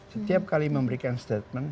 setiap kali memberikan statement